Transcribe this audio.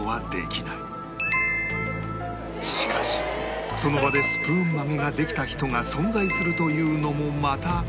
しかしその場でスプーン曲げができた人が存在するというのもまた事実